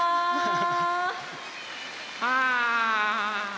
ああ！